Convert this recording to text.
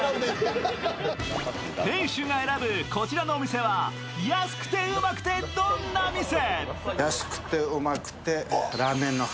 店主が選ぶ、こちらのお店は安くてうまくてどんな店？